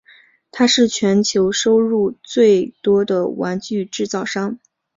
它是全球收入最多的玩具制造商。